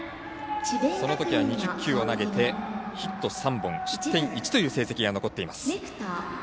そのときは２０球を投げてヒット３本、失点１という成績が残っています。